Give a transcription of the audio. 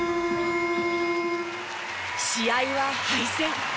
試合は敗戦。